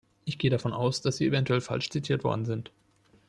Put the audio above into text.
Ich gehe davon aus, dass Sie eventuell falsch zitiert worden sind.